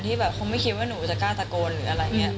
แบบคงไม่คิดว่าหนูจะกล้าตะโกนหรืออะไรอย่างนี้